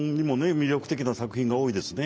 魅力的な作品が多いですね。